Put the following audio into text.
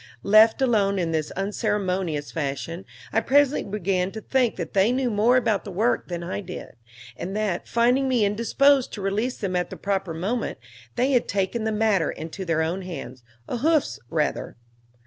Left alone in this unceremonious fashion, I presently began to think that they knew more about the work than I did, and that, finding me indisposed to release them at the proper moment, they had taken the matter into their own hands, or hoofs rather.